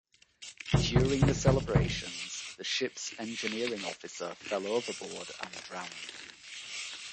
During the celebrations, the ship's engineering officer fell overboard and drowned.